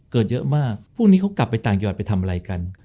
เกิดเยอะมากพวกนี้เขากลับไปต่างยอดไปทำอะไรกัน